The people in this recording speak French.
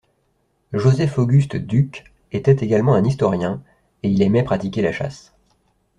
Joseph-Auguste Duc était également un historien et il aimait pratiquer la chasse.